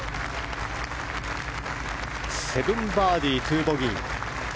７バーディー、２ボギー。